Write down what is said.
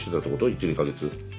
１２か月。